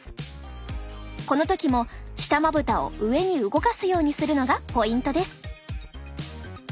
この時も下まぶたを上に動かすようにするのがポイントです。